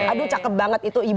aduh cakep banget itu ibu